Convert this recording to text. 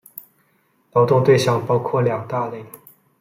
劳动对象包括两大类。